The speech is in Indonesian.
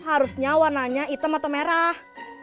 harusnya warnanya hitam atau merah